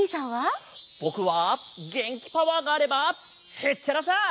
ぼくはげんきパワーがあればへっちゃらさ！